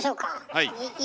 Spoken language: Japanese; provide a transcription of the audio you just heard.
はい。